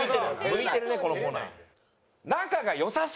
向いてるねこのコーナー。